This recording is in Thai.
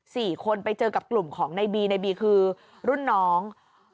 สี่คนไปเจอกับกลุ่มของในบีในบีคือรุ่นน้อง